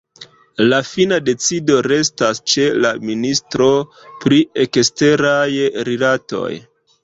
La fina decido restas ĉe la ministro pri eksteraj rilatoj.